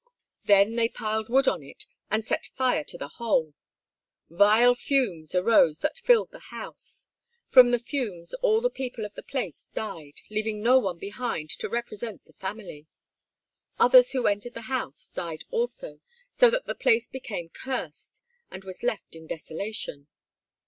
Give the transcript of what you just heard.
They then piled wood on it and set fire to the whole. Vile fumes arose that filled the house. From the fumes all the people of the place died, leaving no one behind to represent the family. Others who entered the house died also, so that the place became cursed, and was left in desolation.